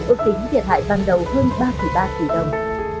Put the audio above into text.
ước tính thiệt hại ban đầu hơn ba ba tỷ đồng